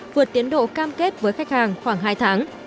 vượt tiến độ cam kết với khách hàng khoảng hai tháng